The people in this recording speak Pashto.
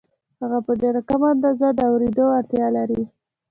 هغه په ډېره کمه اندازه د اورېدو وړتیا لري